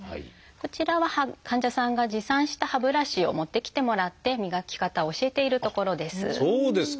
こちらは患者さんが持参した歯ブラシを持ってきてもらって磨き方を教えているところです。